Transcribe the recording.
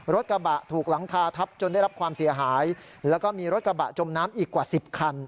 รถกระบะถูกหลังคาทับจนได้รับความเสียหายแล้วก็มีรถกระบะจมน้ำอีกกว่า๑๐คัน